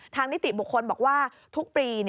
นิติบุคคลบอกว่าทุกปี